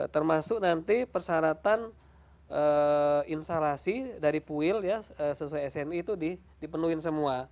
termasuk nanti persyaratan instalasi dari puil ya sesuai sni itu dipenuhi semua